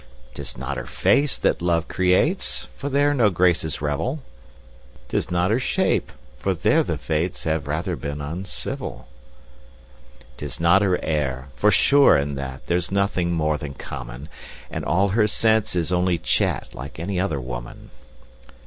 'Tis not her face that love creates, For there no graces revel; 'Tis not her shape, for there the fates Have rather been uncivil. 'Tis not her air, for sure in that There's nothing more than common; And all her sense is only chat Like any other woman.